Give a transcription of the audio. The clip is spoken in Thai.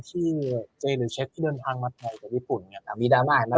แต่จากการว่าเราไม่เอาหลักภัณ